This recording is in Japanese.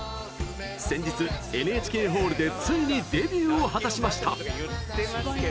先日、ＮＨＫホールでついにデビューを果たしました！